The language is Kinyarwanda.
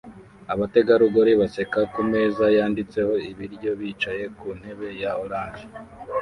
abategarugori baseka kumeza yanditseho ibiryo bicaye ku ntebe ya orange